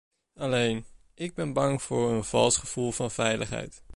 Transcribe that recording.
Alleen, ik ben bang voor een vals gevoel van veiligheid.